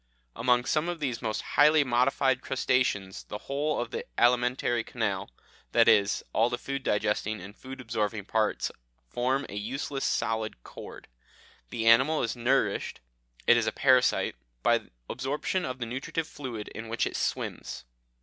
Among some of these most highly modified crustaceans the whole of the alimentary canal that is, all the food digesting and food absorbing parts form a useless solid cord: the animal is nourished it is a parasite by absorption of the nutritive fluid in which it swims.